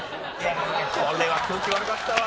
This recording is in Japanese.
これは空気悪かったわ。